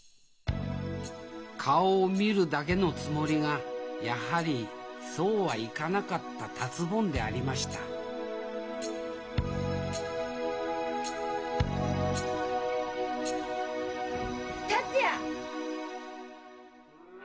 顔を見るだけのつもりがやはりそうはいかなかった達ぼんでありました達也！